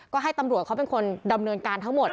ก็ให้ตำรวจเขาเป็นคนดำเนินการทั้งหมด